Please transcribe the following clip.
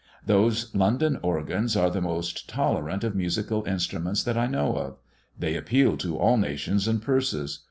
Those London organs are the most tolerant of musical instruments that I know of; they appeal to all nations and purses.